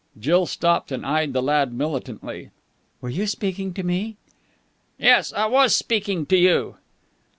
Jill stopped and eyed the lad militantly. "Were you speaking to me?" "Yes, I was speaking to you!"